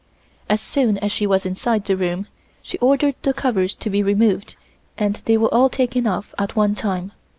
As soon as she was inside the room, she ordered the covers to be removed and they were all taken off at one time.